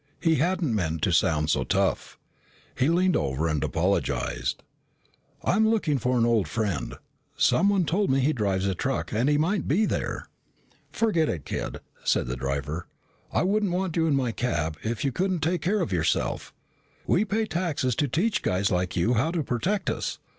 He hadn't meant to sound so tough. He leaned over and apologized. "I'm looking for an old friend. Someone told me he drives a truck and he might be there." "Forget it, kid," said the driver. "I wouldn't want you in my cab if you couldn't take care of yourself. We pay taxes to teach guys like you how to protect us.